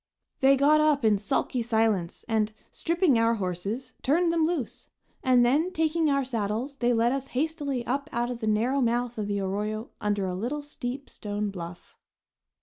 They got up in sulky silence, and, stripping our horses, turned them loose; and then, taking our saddles, they led us hastily up out of the narrow mouth of the arroyo under a little steep stone bluff.